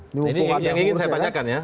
ini yang ingin saya tanyakan ya